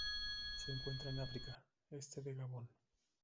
Se encuentran en África: este de Gabón.